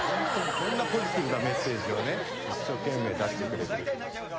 こんなポジティブなメッセージをね、一生懸命出してくれて。